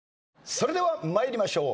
それでは参りましょう。